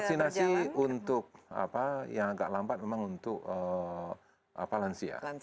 vaksinasi untuk yang agak lambat memang untuk lansia